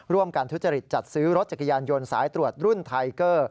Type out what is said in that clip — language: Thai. การทุจริตจัดซื้อรถจักรยานยนต์สายตรวจรุ่นไทเกอร์